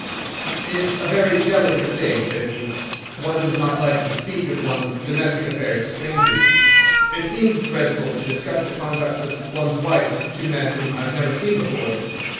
"It's a very delicate thing," said he. "One does not like to speak of one's domestic affairs to strangers. It seems dreadful to discuss the conduct of one's wife with two men whom I have never seen before.